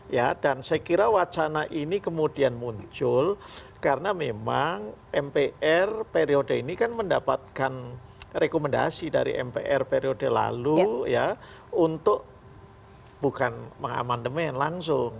ya dan saya kira wacana ini kemudian muncul karena memang mpr periode ini kan mendapatkan rekomendasi dari mpr periode lalu ya untuk bukan mengamandemen langsung